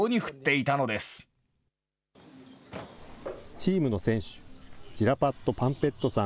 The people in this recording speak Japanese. チームの選手、ジラパット・パンペットさん